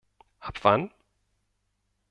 Ab wann?